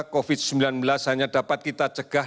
covid sembilan belas hanya dapat kita cegah